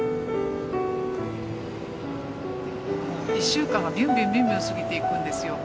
１週間がびゅんびゅんびゅんびゅん過ぎていくんですよ。